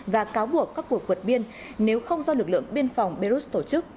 và cáo buộc các cuộc vật biên nếu không do lực lượng biên phòng beirut tổ chức